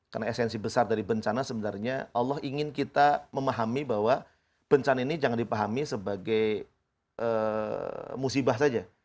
karena esensi besar dari bencana sebenarnya allah ingin kita memahami bahwa bencana ini jangan dipahami sebagai musibah saja